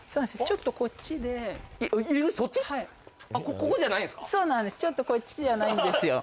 ちょっとこっちじゃないんですよ